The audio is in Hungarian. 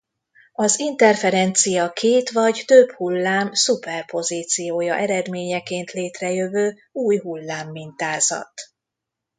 Az interferencia két vagy több hullám szuperpozíciója eredményeként létrejövő új hullám mintázat.